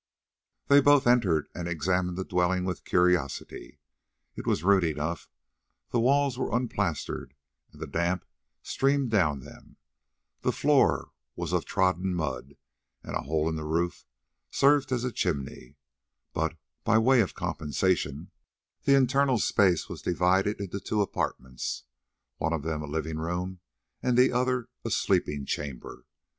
Then they both entered and examined the dwelling with curiosity. It was rude enough. The walls were unplastered, and the damp streamed down them; the floor was of trodden mud, and a hole in the roof served as a chimney; but, by way of compensation, the internal space was divided into two apartments, one of them a living room, and the other a sleeping chamber.